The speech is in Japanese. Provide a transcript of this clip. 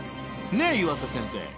ねえ湯浅先生。